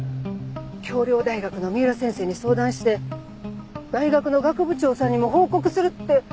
京陵大学の三浦先生に相談して大学の学部長さんにも報告するって。